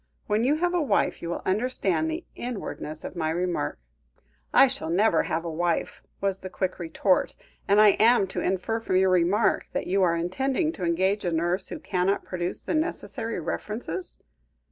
When you have a wife, you will understand the inwardness of my remark." "I shall never have a wife," was the quick retort, "and am I to infer from your remark that you are intending to engage a nurse who cannot produce the necessary references?"